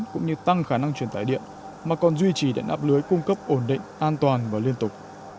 cũng như tăng khả năng truyền tải điện mà còn duy trì điện nắp lưới cung cấp ổn định an toàn và liên tục